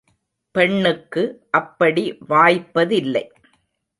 பெண்ணுக்கு அப்படி வாய்ப்பதில்லை.